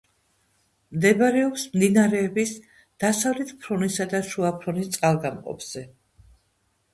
მდებარეობს მდინარეების დასავლეთ ფრონისა და შუა ფრონის წყალგამყოფზე.